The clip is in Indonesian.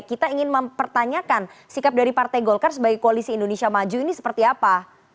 kita ingin mempertanyakan sikap dari partai golkar sebagai koalisi indonesia maju ini seperti apa